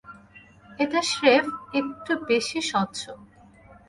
এটা স্রেফ একটু বেশি স্বচ্ছ।